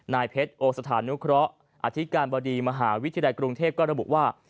นายเพชรโอสถานุเคราะห์อธิการบดีมหาวิทยาลัยกรุงเทพก็ระบุว่า